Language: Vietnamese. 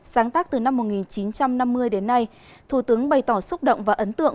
sáng tác từ năm một nghìn chín trăm năm mươi đến nay thủ tướng bày tỏ xúc động và ấn tượng